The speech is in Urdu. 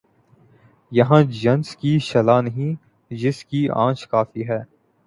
یہاں جنس اک شعلہ نہیں، جنس کی آنچ کافی ہے